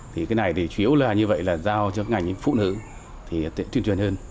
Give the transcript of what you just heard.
thì cái này thì chủ yếu là như vậy là giao cho ngành phụ nữ thì tuyên truyền hơn